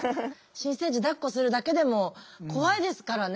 新生児だっこするだけでも怖いですからね。